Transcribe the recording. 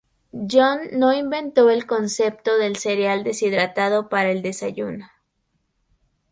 John no inventó el concepto del cereal deshidratado para el desayuno.